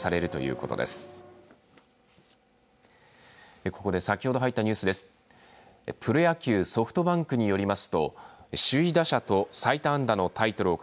ここで先ほど入ったニュースです。